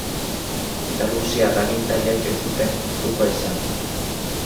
Errusiar agintariek ez zuten gustukoa izan.